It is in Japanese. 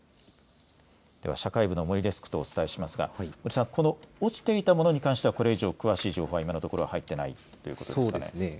では、社会部の森デスクとお伝えしますがこのうち落ちていたものに関しては、これ以上詳しい情報は今のところ入っていないということですかね。